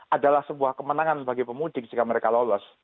adalah sebuah kemenangan bagi pemudik jika mereka lolos